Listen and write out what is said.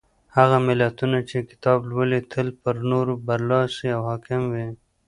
هغه ملتونه چې کتاب لولي تل پر نورو برلاسي او حاکم وي.